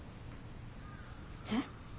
えっ？